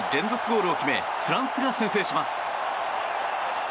ゴールを決めフランスが先制します。